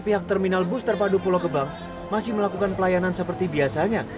pihak terminal bus terpadu pulau gebang masih melakukan pelayanan seperti biasanya